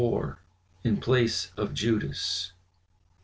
IN PLACE OF JUDAS.